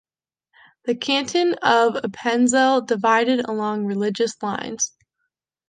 The canton of Appenzell divided along religious lines.